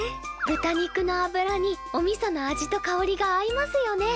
豚肉のあぶらにおみその味とかおりが合いますよね。